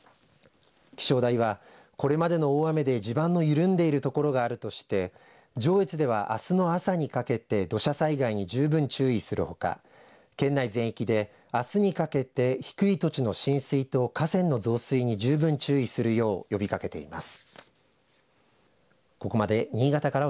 気象台はこれまでの大雨で地盤の緩んでいるところがあるとして上越では、あすの朝にかけて土砂災害に十分注意するほか県内全域であすにかけて低い土地の浸水と河川の増水に十分注意するよう呼びかけています。